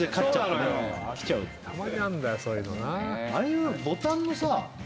ああいうボタンのさ。